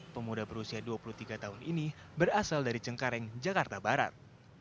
pemuda berusia dua puluh tiga tahun ini berasal dari cengkareng jakarta barat